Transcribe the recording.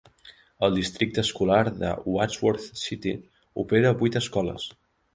El districte escolar de Wadsworth City opera vuit escoles.